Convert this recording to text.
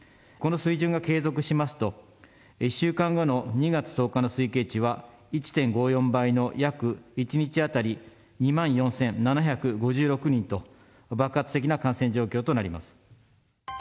この水準が継続しますと、１週間後の２月１０日の推計値は、１．５４倍の約１日当たり２万４７５６人と、爆発的な感染状況となります。